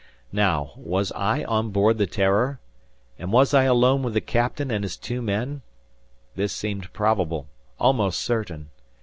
Now, was I on board the "Terror?" And was I alone with the Captain and his two men? This seemed probable, almost certain.